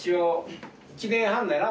１年半だよな？